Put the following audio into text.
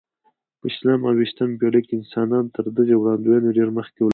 په شلمه او یویشتمه پېړۍ کې انسانان تر دغې وړاندوینو ډېر مخکې ولاړل.